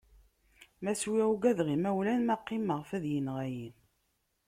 Ma swiɣ ugadeɣ imawlan, ma qqimeɣ fad yenɣa-yi.